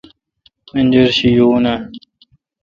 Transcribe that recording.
منجرشی یون آں؟